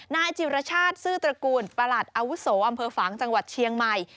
นายจิรชาติซื่อตระกูลประหลัดอาวุโสอำเภอฝางจังหวัดเชียงใหม่